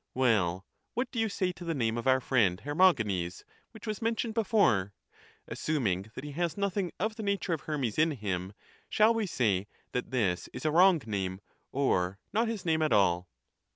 Well, what do you say to the name of ovu" friend Hermogenes, which was mentioned before: — assuming that he has nothing of the nature of Hermes in him, shall we say that this is a wrong name, or not his name at all